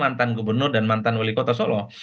mantan gubernur dan mantan wali kota solo